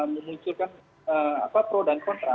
memunculkan pro dan kontra